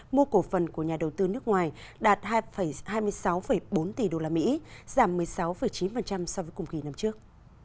mua cổ phần của nhà đầu tư nước ngoài đạt hai mươi sáu bốn tỷ usd giảm một mươi sáu chín so với cùng kỳ năm trước